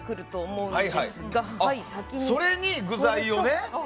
それに具材をね！